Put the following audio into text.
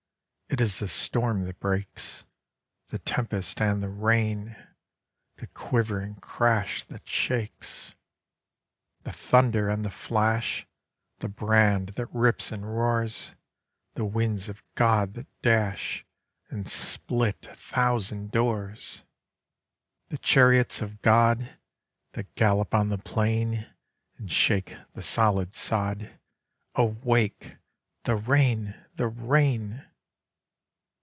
It is the storm that breaks! The tempest and the rain! The quivering crash that shakes! The thunder and the flash, The brand that rips and roars, The winds of God that dash And split a thousand doors! The chariots of God That gallop on the plain And shake the solid sod! Awake!—The rain, the rain!